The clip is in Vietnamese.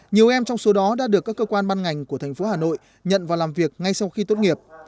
nhiều em trong số đó đã được các cơ quan ban ngành của thành phố hà nội nhận và làm việc ngay sau khi tốt nghiệp